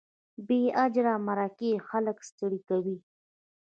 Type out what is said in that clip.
بې اجره مرکې خلک ستړي کوي.